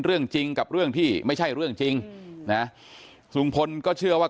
เรื่องจริงกับเรื่องที่ไม่ใช่เรื่องจริงนะลุงพลก็เชื่อว่า